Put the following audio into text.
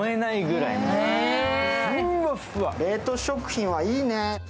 冷凍食品はいいね。